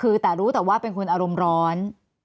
คือแต่รู้แต่ว่าเป็นคนอารมณ์ร้อน